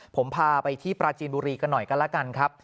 ผมพาไปที่ปราจีนบุรีกันหน่อยกันแล้วกันครับ